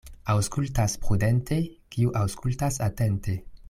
Aŭskultas prudente, kiu aŭskultas atente.